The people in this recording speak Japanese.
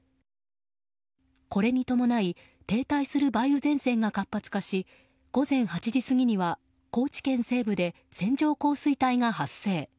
これに伴い停滞する梅雨前線が活発化し午前８時過ぎには高知県西部で線状降水帯が発生。